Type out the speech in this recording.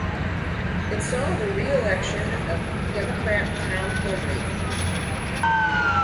It saw the reelection of Democrat Tom Henry.